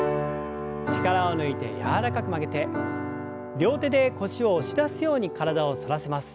力を抜いて柔らかく曲げて両手で腰を押し出すように体を反らせます。